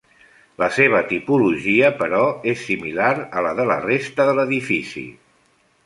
La seva tipologia però, és similar a la de la resta de l'edifici.